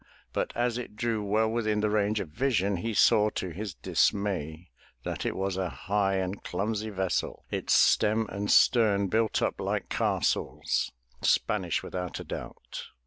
But as it drew well within the range of vision, he saw to his dismay that it was a high and clumsy vessel, its stem and stem built up like castles, — Spanish without a doubt.